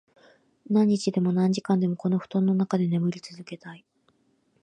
何日でも、何時間でも、この布団の中で眠り続けたい。